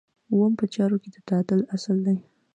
اووم په چارو کې د تعادل اصل دی.